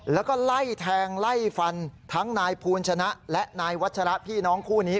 แล้วก็ไล่แทงไล่ฟันทั้งนายภูลชนะและนายวัชระพี่น้องคู่นี้